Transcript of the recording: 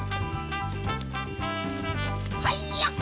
はいよ！